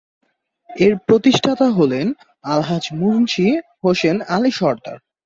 এর প্রতিষ্ঠাতা হলেন আলহাজ্ব মুন্সি হোসেন আলী সরদার।